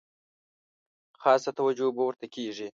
خاصه توجه به ورته کیږي.